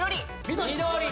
緑。